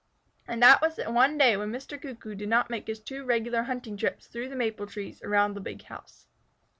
And that was the one day when Mr. Cuckoo did not make his two regular hunting trips through the maple trees around the big house.